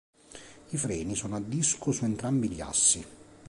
I freni sono a disco su entrambi gli assi.